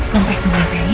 kompres dulu ya sayang ya